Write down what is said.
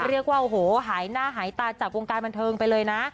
เรียกว่าโอ้โหหายหน้าหายตาจากวงการบันเทิงไปเลยนะ